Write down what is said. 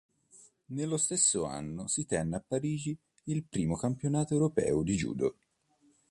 Nello stesso anno, si tenne a Parigi il primo campionato europeo di judo.